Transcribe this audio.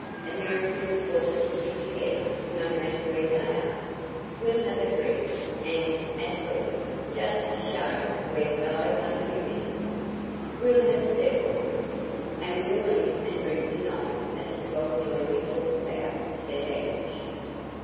Americans ought to stick together, no matter where dey are. We'll have a drink an' 'at's all, just to show we're fellow countrymen." "We'll have several drinks, and we'll eat and drink tonight at the 'swell joint' you talk about," said Anguish.